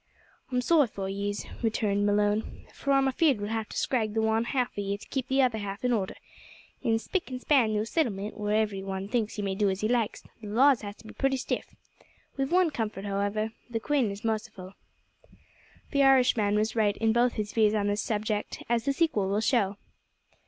"I'm sorry for yez," returned Malone, "for I'm afeared we'll have to skrag the wan half of ye to keep the other half in order. In a spik an' span noo settlement, where ivvery wan thinks he may do as he likes, the laws has to be pritty stiff. We've wan comfort, howivver the quane is marciful." The Irishman was right in both his views on this subject, as the sequel will show.